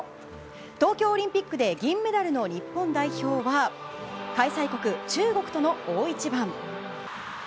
東京オリンピックで銀メダルの日本代表は開催国・中国との大一番。